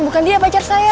bukan dia pacar saya